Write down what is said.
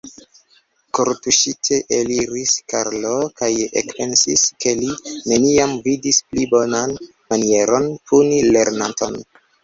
Kortuŝite eliris Karlo kaj ekpensis, ke li neniam vidis pli bonan manieron puni lernanton.